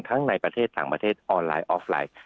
ในประเทศต่างประเทศออนไลน์ออฟไลน์